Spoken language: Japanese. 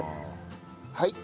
はい。